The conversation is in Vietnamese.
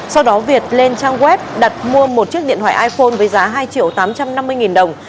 sau đó việt lên trang web đặt mua một chiếc điện thoại iphone với giá hai triệu tám trăm năm mươi nghìn đồng